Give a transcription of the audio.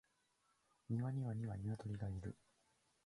庭には二羽鶏がいる